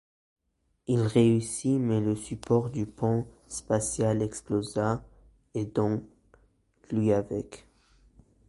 Il réussit mais le support du pont spatial explosa, et donc lui avec.